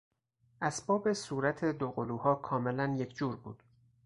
اسباب صورت دوقلوها کاملا یکجور بود.